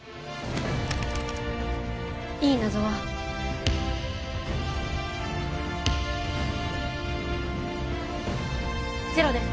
いい謎はゼロです